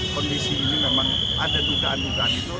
kondisi ini memang ada dugaan dugaan itu